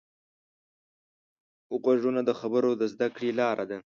غوږونه د خبرو د زده کړې لاره ده